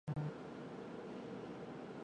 你为什么不回家？